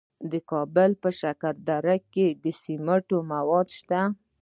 د کابل په شکردره کې د سمنټو مواد شته.